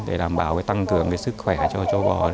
để đảm bảo tăng cường sức khỏe cho bò